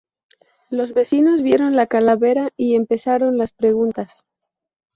Los vecinos vieron la calavera y empezaron las preguntas.